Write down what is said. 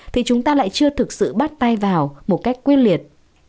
thì chúng ta lại chưa thực sự bắt tay vào một cách quyết liệt